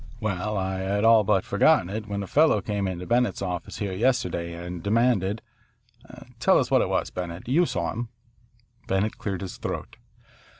Well, I had all but forgotten it when a fellow came into Bennett's office here yesterday and demanded tell us what it was, Bennett. You saw him." Bennett cleared his throat.